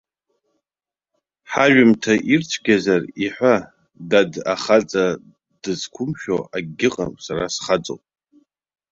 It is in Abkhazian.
Ҳажәымҭа ирцәгьазар иҳәа, дад, ахаҵа дызқәымшәо акгьы ыҟам, сара схаҵоуп.